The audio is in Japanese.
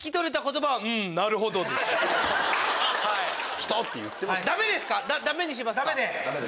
「人」って言ってました。